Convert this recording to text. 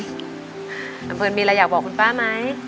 อำเภอมีอะไรอยากบอกคุณป้าไหม